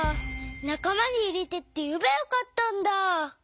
「なかまにいれて」っていえばよかったんだ。